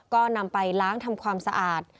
ก็นำไปล้างทำความสะอาด